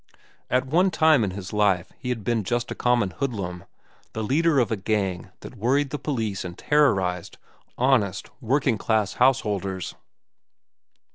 At one time in his life he had been just a common hoodlum, the leader of a gang that worried the police and terrorized honest, working class householders.